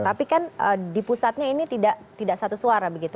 tapi kan di pusatnya ini tidak satu suara begitu